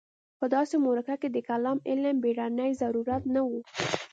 په داسې معرکه کې د کلام علم بېړنی ضرورت نه و.